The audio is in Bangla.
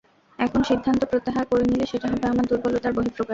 এখন সিদ্ধান্ত প্রত্যাহার করে নিলে সেটা হবে আমার দুর্বলতার বহিঃপ্রকাশ।